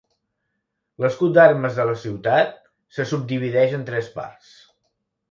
L'escut d'armes de la ciutat se subdivideix en tres parts.